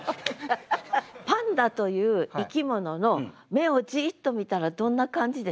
パンダという生き物の目をじっと見たらどんな感じですか？